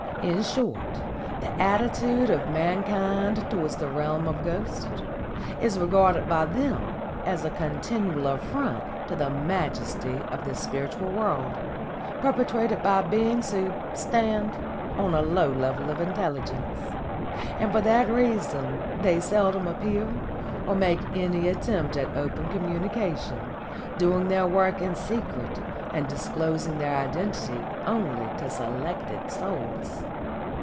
In short, the attitude of mankind towards the realm of ghosts is regarded by them as a continual affront to the majesty of the spiritual world, perpetrated by beings who stand on a low level of intelligence; and for that reason they seldom appear or make any attempt at open communication, doing their work in secret and disclosing their identity only to selected souls.